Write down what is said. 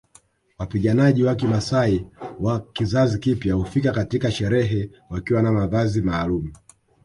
Wapiganaji wa kimaasai wa kizazi kipya hufika katika sherehe wakiwa na mavazi maalumu